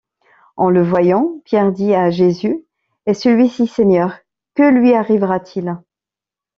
En le voyant, Pierre dit à Jésus: Et celui-ci, Seigneur, que lui arrivera-t-il?